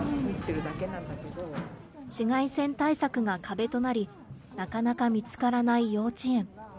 紫外線対策が壁となり、なかなか見つからない幼稚園。